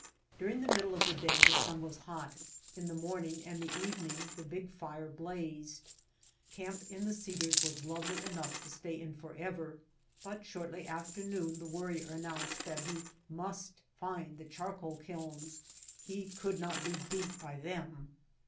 During the middle of the day the sun was hot, in the morning and the evening the big fire blazed. Camp in the Cedars was lovely enough to stay in forever, but shortly after noon the Wor rier announced that he must find the charcoal kilns, he could not "be beat" by them.